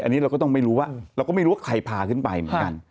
อันนี้เราก็ต้องไม่รู้ว่าเราก็ไม่รู้ว่าใครพาขึ้นไปเหมือนกัน